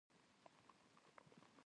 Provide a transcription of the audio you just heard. سندره د فکر ژوره ښکته ده